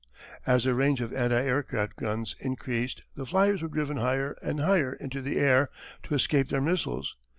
As the range of anti aircraft guns increased the flyers were driven higher and higher into the air to escape their missiles.